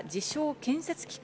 建設機械